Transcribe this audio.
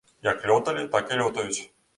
Як лёталі, так і лётаюць.